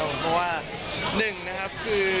เพราะว่า๑นะครับ